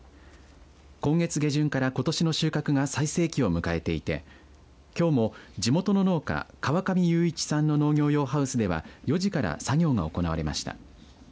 今月下旬から、ことしの収穫が最盛期を迎えていて、きょうも地元の農家川上裕一さんの農業用ハウスでは４時から作業が行われました。